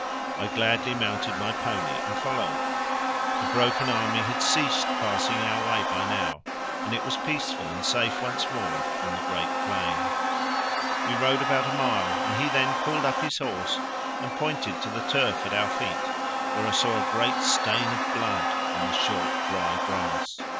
I gladly mounted my pony and followed. The broken army had ceased passing our way by now, and it was peaceful and safe once more on the great plain. We rode about a mile, and he then pulled up his horse and pointed to the turf at our feet, where I saw a great stain of blood on the short dry grass.